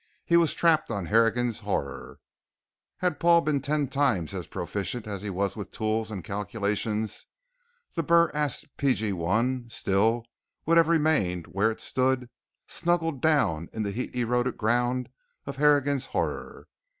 He was trapped on Harrigan's Horror. Had Paul been ten times as proficient as he was with tools and calculations, the BurAst P.G.1. still would have remained where it stood snuggled down in the heat eroded ground of Harrigan's Horror.